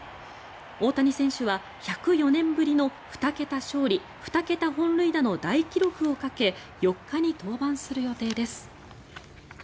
大谷選手は、１０４年ぶりの２桁勝利２桁本塁打の大記録をかけ４日に登板する予定です。